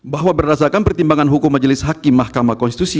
bahwa berdasarkan pertimbangan hukum majelis hakim mahkamah konstitusi